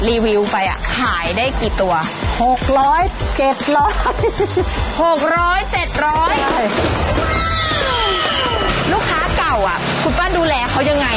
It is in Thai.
ลูกค้าเก่าคุณป้าดูแลเขายังไง